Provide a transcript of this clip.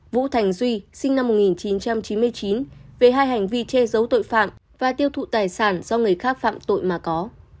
vũ thành duy sinh năm một nghìn chín trăm chín mươi chín về hai hành vi che giấu tội phạm và tiêu thụ tài sản do người khác phạm tội mà có